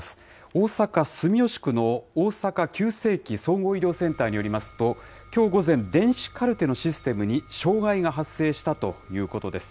大阪・住吉区の大阪急性期・総合医療センターによりますと、きょう午前、電子カルテにシステムに障害が発生したということです。